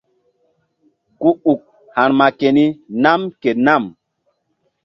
Ku uk ha̧rma keni nam ke nam.